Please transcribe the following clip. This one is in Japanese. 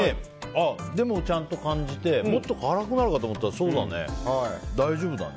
でもちゃんと感じてもっと辛くなると思ったら大丈夫だね。